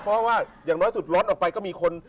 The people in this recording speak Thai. เพราะว่าอย่างน้อยสุดร้อนออกไปก็มีคน